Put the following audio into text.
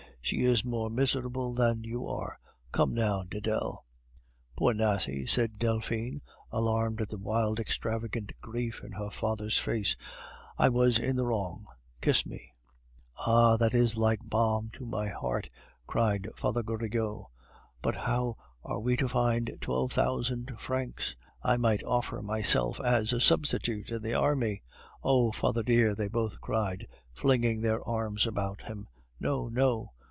"She is more miserable than you are. Come now, Dedel." "Poor Nasie!" said Delphine, alarmed at the wild extravagant grief in her father's face, "I was in the wrong, kiss me " "Ah! that is like balm to my heart," cried Father Goriot. "But how are we to find twelve thousand francs? I might offer myself as a substitute in the army " "Oh! father dear!" they both cried, flinging their arms about him. "No, no!"